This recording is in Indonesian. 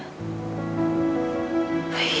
iya papa ulang tahun